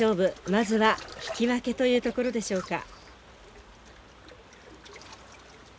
まずは引き分けというところでしょうか。